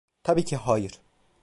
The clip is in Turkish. Tabi ki hayır.